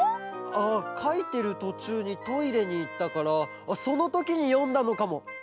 ああかいてるとちゅうにトイレにいったからそのときによんだのかも。